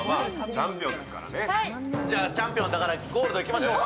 じゃ、チャンピオンだからゴールドいきましょう。